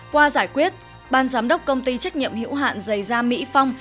qua giải quyết ban giám đốc công ty trách nhiệm hiểu hạn giải gia mỹ phong